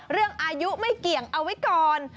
เรื่องอายุไม่เกี่ยงเอาไว้ก่อน